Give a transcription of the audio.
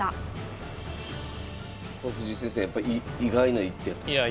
これ藤井先生やっぱ意外な一手やったですか？